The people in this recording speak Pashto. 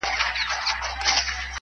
په اوله کي ترخه وروسته خواږه وي,